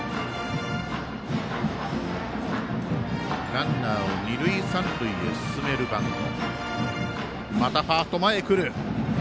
ランナーを二塁三塁へ進めるバント。